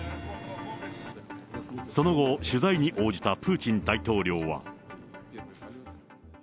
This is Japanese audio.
その後、取材に応じたプーチン大統領は。